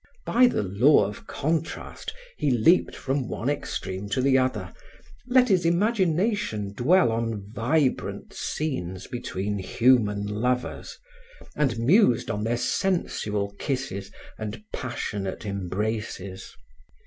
By the law of contrast, he leaped from one extreme to the other, let his imagination dwell on vibrant scenes between human lovers, and mused on their sensual kisses and passionate embraces.